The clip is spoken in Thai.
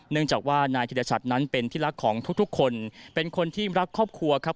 เนื่องจากว่านายธิรชัดนั้นเป็นที่รักของทุกคนเป็นคนที่รักครอบครัวครับ